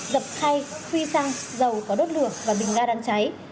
dập khay khuy sang dầu có đốt lửa và bình ra đánh cháy